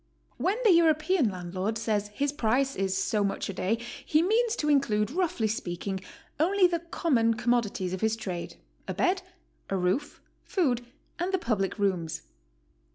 When the European landlord says his price is so much a day, he means to include, roughly speaking, only the com mon commodities of his trade, — a bed, a roof, food, and the public rooms.